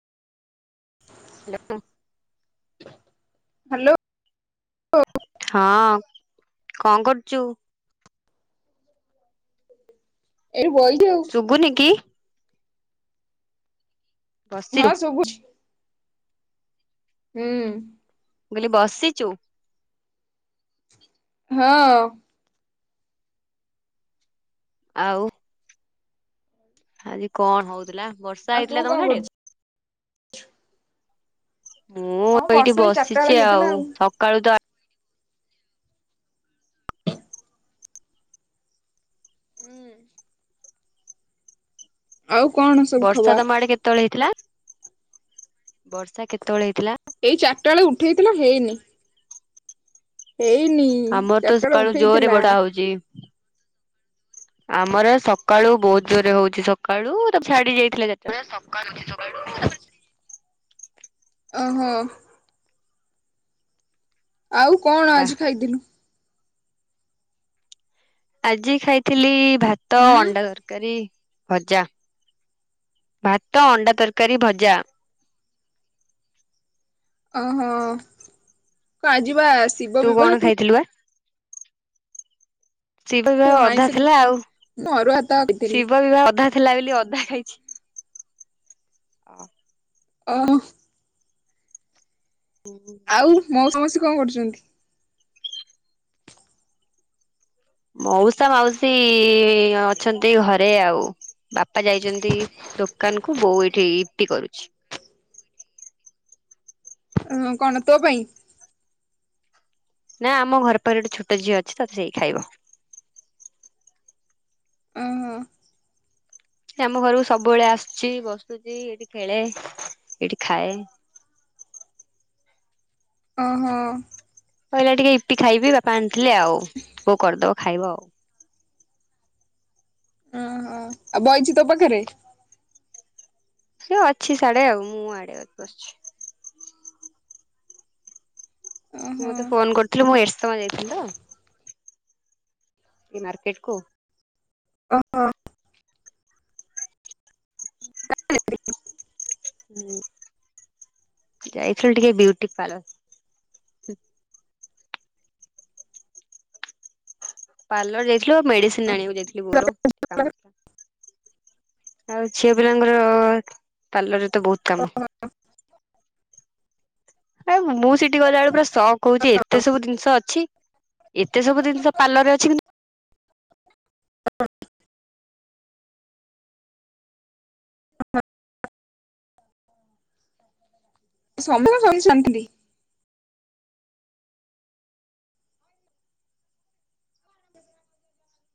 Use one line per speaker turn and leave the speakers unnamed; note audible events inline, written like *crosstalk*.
ହଁ *inaudible*
hello
hello.
ହଁ କଣ କରୁଛୁ?
ଏ ବଇଚି ଆଉ
ଶୁଭୁନି କି? ବସିଛୁ
ହଁ
ମୁଁ
ଶୁଭୁଚି। ହୁଁ।
ମୁଁ କହିଲି ବସିଛୁ?
ହଁ।
ଆଉ ଆଜି କଣ ହଉଥିଲା ବର୍ଷା
ଆଉ ତୁ
ହେଇଥିଲା ତମ
କଣ
ସାଢେ?
କରୁଛୁ?
ମୁଁ
ହଁ
ଏଇଠି
ବର୍ଷା ଏଇ ଚାରିଟା ବେଳେ
ବସିଛି
ହେଇଥିଲା
ଆଉ ସକାଳୁ ତ
ଆଉ କଣ? ସବୁ
ବର୍ଷା
ଖବର?
ତମ ଆଡେ କେତେବେଳେ ହେଇଥିଲା ବର୍ଷା କେତେବେଳେ ହେଇଥିଲା?
ଏଇ ଚାରିଟା ବେଳେ ଉଠେଇଥିଲା ହେଇନି। ଏଇନି
ଆମର ତ ସକାଳୁ ଜୋରେ ବଢା ହଉଚି। ଆମର ସକାଳୁ ବହୁତ ଜୋରରେ ହଉଛି ସକାଳୁ ତ ଛାଡି ଯାଇଥିଲା ଚାରିଟା ବେଳକୁ।
ସଖାଳୁ *inaudible* ଓ ହୋ। ଆଉ
ହଁ
କଣ
ବା
ଆଜି ଖାଇଥିଲୁ?
ଆଜି ଖାଇଥିଲି ଭାତ
ହୁଁ
ଅଣ୍ଡା ତର୍ ତରକାରୀ ଭଜା ଭାତ ଅଣ୍ଡା ତରକାରୀ ଭଜା।
ଓହୋ ଆଜି ପା
ତୁ କଣ ଖାଇଥିଲୁ ବା ଶିବ ବିିବାହ ଅଧା
ଆଇଁଷ
ଥିଲା ଆଉ
ମୁଁ ଅରୁଆ ଭାତ ଖାଇଥିଲି।
ଶିବ ବିିବାହ ଅଧା ଥିଲା ବୋଲି ଅଧା ଖାଇଛି। ଓ
ଓ ହୋ ଆଉ ମୋଉସା ମାଉସୀ କଣ କରୁଛନ୍ତି?
ମଉସା ମାଉସୀ ଅଛନ୍ତି ଘରେ ଆଉ। ବାପା ଯାଇଛନ୍ତି ଦୋକାନ କୁ ବୋଉ ଏଇଠି ଇପି କରୁଛି।
ହଁ କଣ ତୋ ପାଇଁ?
ନା ଆମ ଘର ପାଖରେ ଗୋଟେ ଛୋଟ ଝିଅ ଅଛି ତ ସେଇ ଖାଇବ।
ଓହୋ
ସେ ଆମ ଘରକୁ ସବୁବେଳେ ଆସୁଛି ବସୁଛି ଏଇଠି ଖେଳେ ଏଇଠି ଖାଏ।
ଓ ହୋ।
କହିଲା ଟିକେ ଇପି ଖାଇବି ବାପା ଆଣିଥିଲେ ଆଉ ବୋଉ କରିଦବ ଖାଇବ ଆଉ।
ଓହୋ ଆଉ ବଇଛି ତୋ ପାଖରେ?
ସେ ଅଛି ସାଆଡେ ଆଉ ମୁଁ ଆଡେ ବସିଛି। ମୁଁ ମତେ
ଓହୋ
ଫୋନ କରିଥିଲି ମୁଁ ଏରସମା ଯାଇଥିଲି ତ। ଟିକେ ମାର୍କେଟକୁ
ଓ ହୋ।
ହୁଁ ଯାଇଥିଲୁ ଟିକେ ବିୟୁଟିକ ପାର୍ଲର। ପାର୍ଲର ଯାଇଥିଲୁ ଆଉ ମେଡିସିନ ଆଣିବକୁ ଯାଇଥିଲି ବୋଉ ର କାମଥିଲା। ଆଉ ଝିଅ ପିଲାଙ୍କର ପାଲରରେ ତ ବହୁତ କାମ।
ଆଉ
ଆ ମୁଁ ସେଠି ଗଲାବେଳୁ ପୁରା ଶକ୍ ହଉଛି ଏତେ ସବୁ ଜିନିଷ ଅଛି। ଏତେ ସବୁ ଜିନିଷ ପାର୍ଲରରେ ଅଛି କିନ୍ତୁ
ସମସ୍ତେ କଣ ସବୁ ଜିନିଷ ଜାଣିଛନ୍ତି। *inaudible*